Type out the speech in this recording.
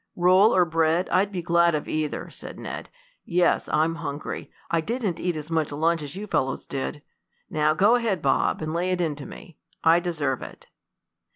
"Roll or bread I'd be glad of either," said Ned. "Yes, I am hungry. I didn't eat as much lunch as you fellows did. Now go ahead, Bob, and lay it into me. I deserve it."